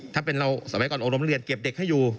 ถ้าเป็นเราสมัยก่อนอบรมเรียนเก็บเด็กให้อยู่